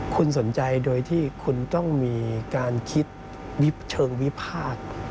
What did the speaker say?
คุณสนใจโดยที่คุณต้องมีการคิดยิบเชิงวิพาท